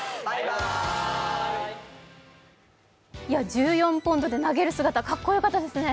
１４ポンドで投げる姿かっこよかったですね。